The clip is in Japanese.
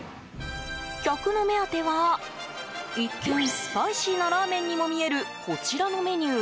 客の目当ては、一見スパイシーなラーメンにも見えるこちらのメニュー。